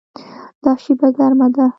دا شپه ګرمه ده